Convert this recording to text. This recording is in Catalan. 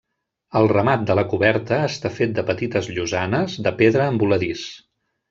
El remat de la coberta està fet de petites llosanes de pedra en voladís.